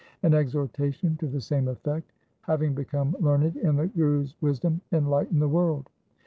4 An exhortation to the same effect :— Having become learned in the Guru's wisdom, enlighten the world.